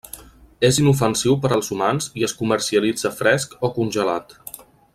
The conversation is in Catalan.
És inofensiu per als humans i es comercialitza fresc o congelat.